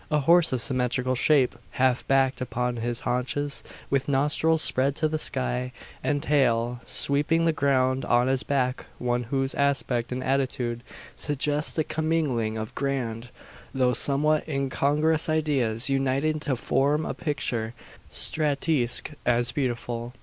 A horse of symmetrical shape, half backed upon his haunches, with nostrils spread to the sky, and tail sweeping the ground; on his back one whose aspect and attitude suggest a commingling of grand, though somewhat incongruous ideas, uniting to form a picture, statuesque as beautiful.